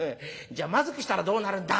『じゃあまずくしたらどうなるんだ？』